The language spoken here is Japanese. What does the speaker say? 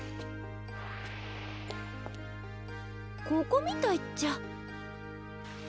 ここみたいっちゃ。